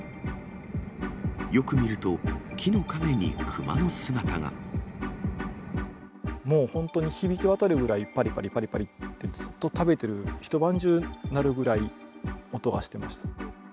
よく見ると、木の陰にクマのもう、本当に響き渡るぐらい、ぱりぱりぱりぱりってずっと食べてる、一晩中鳴るぐらい、音がしてました。